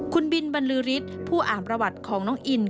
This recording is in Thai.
คุณบินบรรลือฤทธิ์ผู้อ่านประวัติของน้องอิน